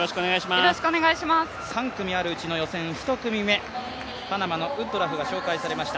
３組あるうちの予選の１組目、パナマのウッドラフが紹介されました。